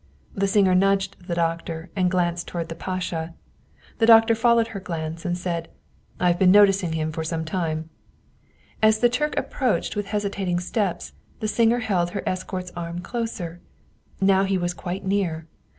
The singer nudged the doctor and glanced toward the pasha. The doctor followed her glance, and said, " I've been noticing him for some time," as the Turk approached with hesitating steps. The singer held her escort's arm closer. Now he was quite near.